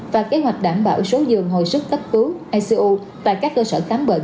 và kế hoạch đảm bảo số dường hồi sức cấp cứu icu tại các cơ sở khám bệnh